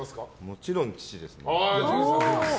もちろん父ですね。